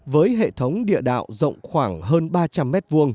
với hệ thống địa đạo rộng khoảng hơn ba trăm linh m hai